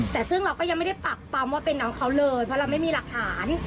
แต่ซึ่งเราก็ยังไม่ได้ปักปั๊มว่าเป็นน้องเขาเลยเพราะเราไม่มีหลักฐาน